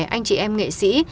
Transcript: anh chị em nghệ sĩ